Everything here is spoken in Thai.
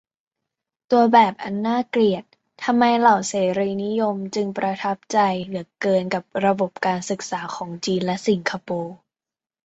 ตัวแบบอันน่าเกลียด : ทำไมเหล่าเสรีนิยม จึงประทับใจเหลือเกินกับระบบการศึกษาของจีนและสิงคโปร์ ?